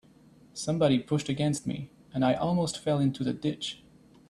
Somebody pushed against me, and I almost fell into the ditch.